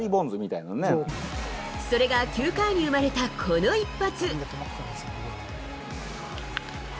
それが９回に生まれたこの一発。